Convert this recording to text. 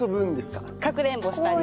かくれんぼしたり。